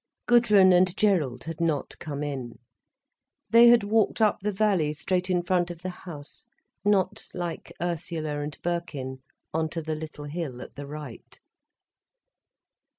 Gudrun and Gerald had not come in. They had walked up the valley straight in front of the house, not like Ursula and Birkin, on to the little hill at the right.